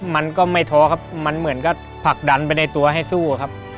มันก็ไม่ท้อครับมันเหมือนก็ผลักดันไปในตัวให้สู้ครับ